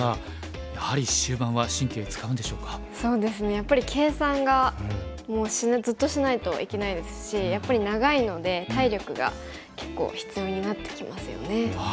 やっぱり計算がもうずっとしないといけないですしやっぱり長いので体力が結構必要になってきますよね。